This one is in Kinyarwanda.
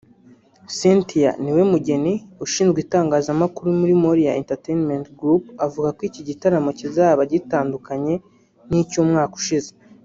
Cynthia Niwemugeni ushinzwe itangazamakuru muri Moriah Entertainment Group avuga ko iki gitaramo kizaba gitandukanye n’icy’umwaka ushize